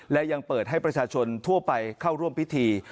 และยังเปิดให้ประชาชนทั่วไปเข้าร่วมพิธี